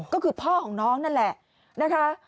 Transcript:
ก็คือพ่อของน้องนั่นแหละนะคะ